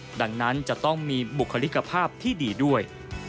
จึงจะต้องมีบุคลิกภาพที่ดีด้วย